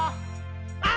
「あ！